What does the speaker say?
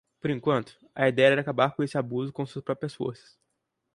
Por enquanto, a ideia era acabar com esse abuso com suas próprias forças.